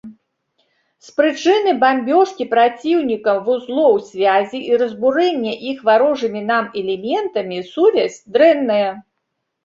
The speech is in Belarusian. З прычыны бамбёжкі праціўнікам вузлоў сувязі і разбурэння іх варожымі нам элементамі сувязь дрэнная.